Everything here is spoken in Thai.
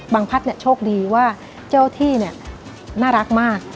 บางพัทย์โชคดีว่าเจ้าที่น่ารักมาก